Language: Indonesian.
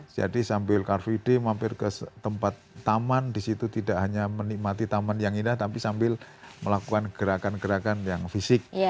jadi sambil carvide mampir ke tempat taman disitu tidak hanya menikmati taman yang indah tapi sambil melakukan gerakan gerakan yang fisik